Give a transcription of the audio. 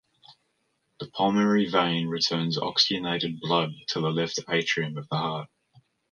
The pulmonary vein returns oxygenated blood to the left atrium of the heart.